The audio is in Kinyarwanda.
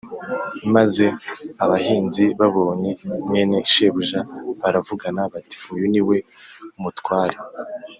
Maze abahinzi babonye mwene shebuja baravugana bati ‘Uyu ni we mutware